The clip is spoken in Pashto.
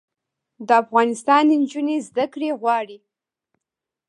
د افغانستان نجونې زده کړې غواړي